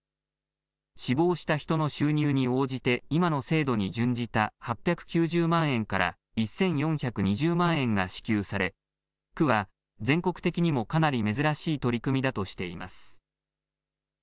死亡した人の収入に応じて今の制度に準じた８９０万円から１４２０万円が支給され区は全国的にもかなり珍しい取り組みだとしています。